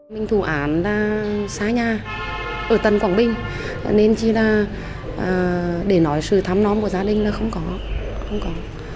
mình thù án xá nhà ở tầng quảng binh nên chỉ là để nói sự thăm non của gia đình là không có